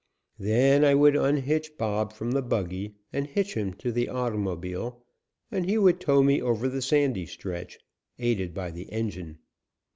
Then I would unhitch Bob from the buggy and hitch him to the automobile, and he would tow me over the sandy stretch, aided by the engine.